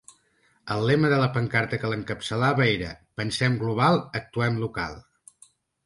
El lema de la pancarta que l’encapçalava era: Pensem global, actuem local.